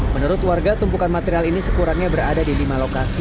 menurut warga tumpukan material ini sekurangnya berada di lima lokasi